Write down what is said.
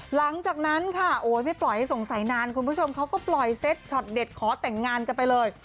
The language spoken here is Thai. หลังจากนั้นค่ะโอ้ยไม่ปล่อยให้สงสัยนานคุณผู้ชมเขาก็ปล่อยเซ็ตช็อตเด็ดขอแต่งงานกันไปเลย